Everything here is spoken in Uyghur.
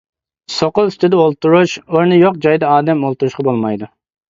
سوقا ئۈستىدە ئولتۇرۇش ئورنى يوق جايدا ئادەم ئولتۇرۇشقا بولمايدۇ.